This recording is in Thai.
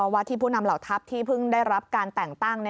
ว่าที่ผู้นำเหล่าทัพที่เพิ่งได้รับการแต่งตั้ง